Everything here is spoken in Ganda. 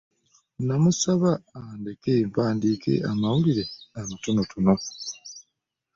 Namusaba andeke mpandiikenga amawulire amatonotono.